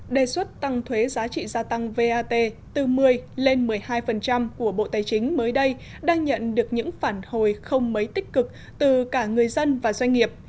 đề xuất tăng thuế giá trị gia tăng vat từ một mươi lên một mươi hai của bộ tài chính mới đây đang nhận được những phản hồi không mấy tích cực từ cả người dân và doanh nghiệp